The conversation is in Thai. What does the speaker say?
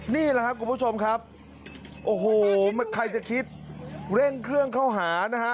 นี่แหละครับคุณผู้ชมครับโอ้โหใครจะคิดเร่งเครื่องเข้าหานะฮะ